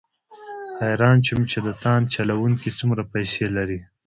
حیران شوم چې د تاند چلوونکي څومره پیسې لري.